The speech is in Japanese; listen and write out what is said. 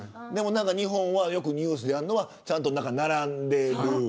日本はよくニュースでやるのはちゃんと並んでる。